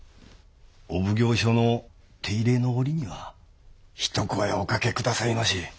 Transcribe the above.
お奉行所の手入れの折には一声おかけ下さいまし。